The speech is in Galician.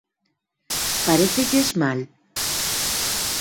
¿Parécelles mal?